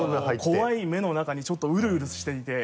怖い目の中にちょっとうるうるしていて。